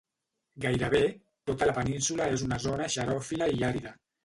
Gairebé tota la península és una zona xeròfila i àrida.